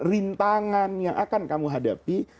rintangan yang akan kamu hadapi